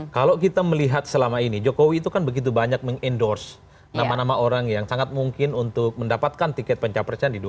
kalau kita melihat selama ini jokowi itu kan begitu banyak meng endorse nama nama orang yang sangat mungkin untuk mendapatkan tiket pencapresan di dua ribu sembilan belas